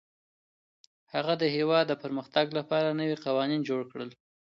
هغه د هېواد د پرمختګ لپاره نوي قوانین جوړ کړل.